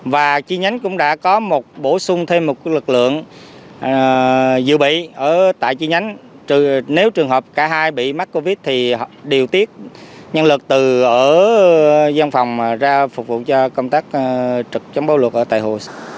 và chi nhánh cũng đã có bổ sung thêm một cái lực lượng dự bị tại chi nhánh nếu trường hợp cả hai bị mắc covid thì điều tiết nhân lực từ ở giam phòng ra phục vụ cho công tác trực chống báo luật ở tại hồ